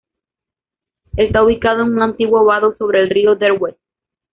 Está ubicado en un antiguo vado sobre el río Derwent.